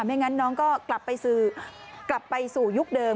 ไม่งั้นน้องก็กลับไปสู่ยุคเดิม